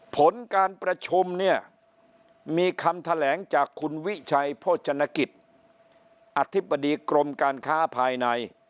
ผลการประชุมเนี่ยมีคำแถลงจากคุณวิชัยโภชนกิจอธิบดีกรมการค้าภายใน